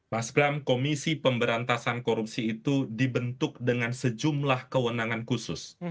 mas bram komisi pemberantasan korupsi itu dibentuk dengan sejumlah kewenangan khusus